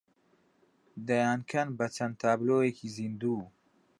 دەیانکەن بە چەند تابلۆیەکی زیندوو